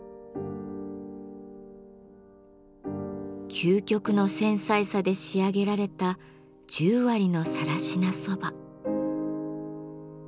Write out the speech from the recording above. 究極の繊細さで仕上げられた十割の更科蕎麦。